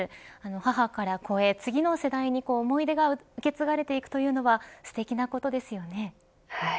母から子へ、次の世代に思い出が受け継がれていくというのはすてきなことですよね。